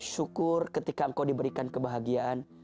syukur ketika engkau diberikan kebahagiaan